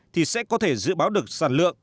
thì sẽ có thể dự báo được sản lượng